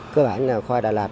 cơ bản là khoai đà lạt